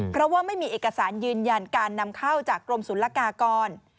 เพราะว่าไม่มีเอกสารยืนยันการนำเข้าจากกรมศุลกากร